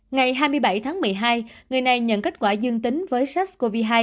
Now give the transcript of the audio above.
ngày hai mươi bảy tháng một mươi hai người này nhận kết quả dương tính với sars cov hai